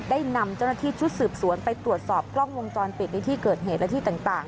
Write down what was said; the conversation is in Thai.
ได้นำเจ้าหน้าที่ชุดสืบสวนไปตรวจสอบกล้องวงจรปิดในที่เกิดเหตุและที่ต่าง